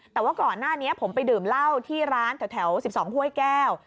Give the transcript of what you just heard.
แต่ว่าก่อนหน้านี้ผมไปดื่มเหล้าที่ร้านแถว๑๒ห้วยแก้ว